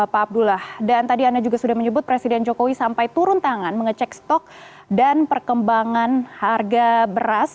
pak abdullah dan tadi anda juga sudah menyebut presiden jokowi sampai turun tangan mengecek stok dan perkembangan harga beras